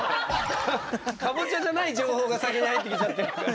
かぼちゃじゃない情報が先に入ってきちゃって。